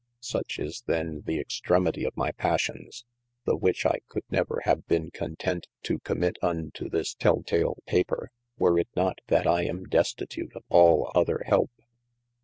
jSuch is the the extremitie of my passions, the whiche I could never have bene content to committe unto this teltale paper, were it not that I am destitute of all other helpe.